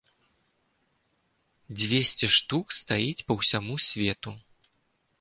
Дзвесце штук стаіць па ўсяму свету!